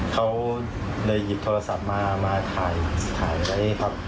เขาเลยหยิบโทรศัพท์มามาถ่ายถ่ายอะไรครับ